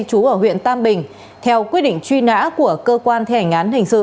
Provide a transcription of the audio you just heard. chú ở huyện tam bình theo quyết định truy nã của cơ quan thi hành án hình sự